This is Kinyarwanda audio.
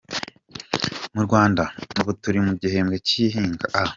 Mu Rwanda ubu turi mu gihembwe cy’ihinga “A”.